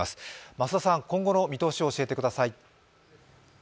増田さん今後の見通しを教えてください。